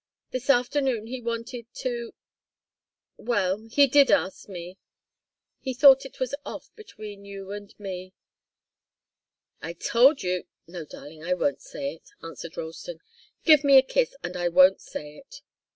This afternoon he wanted to well he did ask me he thought it was off between you and me." "I told you no, darling, I won't say it," answered Ralston. "Give me a kiss, and I won't say it."